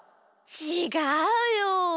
ちがうよ。